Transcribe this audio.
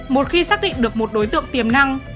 một khi xác định được một đối tượng tiềm năng